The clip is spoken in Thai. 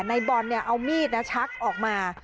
ในบอลเอามีดชักออกมา